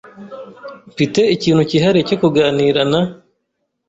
Mfite ikintu cyihariye cyo kuganira na